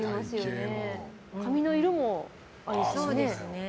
髪の色もありますよね。